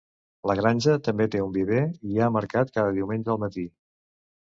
La granja també té un viver i hi ha mercat cada diumenge al matí.